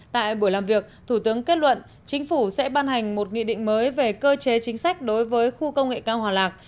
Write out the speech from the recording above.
tại buổi làm việc thủ tướng kết luận chính phủ sẽ ban hành một nghị định mới về cơ chế chính sách đối với khu công nghệ cao hòa lạc